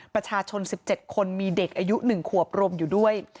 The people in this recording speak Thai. ประชาชน๑๗คนมีเด็กอายุ๑ขวบรวมอยู่ด้วย